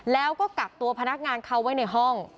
แล้วก็กักตัวพนักงานเขาไว้ในห้อง